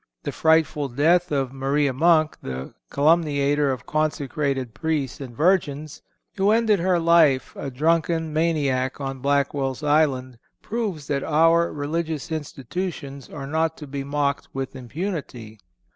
The frightful death of Maria Monk, the caluminator of consecrated Priests and Virgins, who ended her life a drunken maniac on Blackwell's Island, proves that our religious institutions are not to be mocked with impunity.